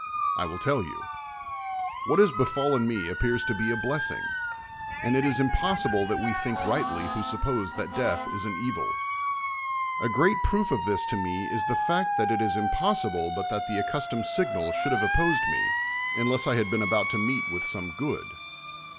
I will tell yon: what has befallen n^c appears to be a blessing; and it is impossible that we think rightly who suppose that death is an evil. A great ])roof of this to me is the fact that it is impossible but that the accustomed signal should have opposed me, un less I had been about to meet Avith some good.